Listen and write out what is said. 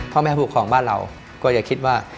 พ่อแม่ผู้ปกครองบ้านเราก็อย่าคิดว่า